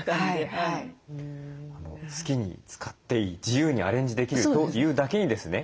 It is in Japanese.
好きに使っていい自由にアレンジできるというだけにですね